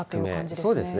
そうですね。